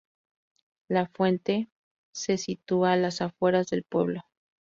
La fuente se sitúa las afueras del pueblo.